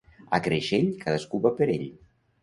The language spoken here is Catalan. A Creixell, cadascú va per ell.